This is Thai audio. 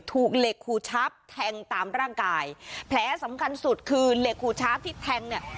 ถูกเหล็กหูชับแทงตามร่างกายแผลสำคัญสุดคือเหล็กหูช้าที่แทงเนี่ย